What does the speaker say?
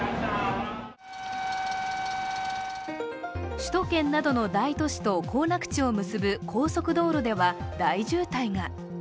首都圏などの大都市と行楽地を結ぶ高速道路では大渋滞が。